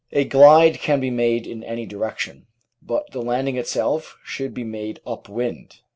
A glide can be made in any direction, but the landing itself should be made "up wind."